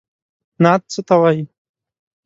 نعت څه ته وايي.